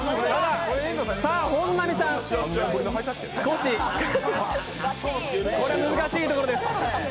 本並さん、少し、これは難しいところです。